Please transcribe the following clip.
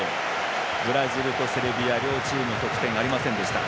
ブラジルとセルビア両チーム得点ありませんでした。